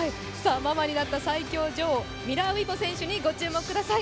ママになった最強女王、ミラーウイボにご注目ください。